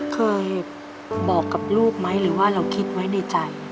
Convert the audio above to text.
เคยบอกกับลูกไหมหรือว่าเราคิดไว้ในใจ